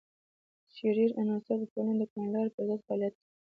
شریر عناصر د ټولنې د کړنلارې پر ضد فعالیت کوي.